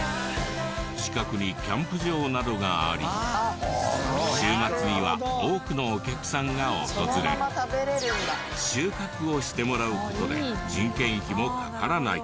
近くにキャンプ場などがあり週末には多くのお客さんが訪れ収穫をしてもらう事で人件費もかからない。